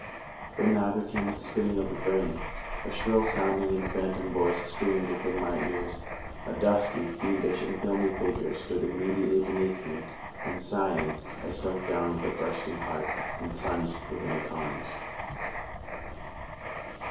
But now there came a spinning of the brain; a shrill sounding and phantom voice screamed within my ears; a dusky, fiendish, and filmy figure stood immediately beneath me; and, sighing, I sunk down with a bursting heart, and plunged within its arms.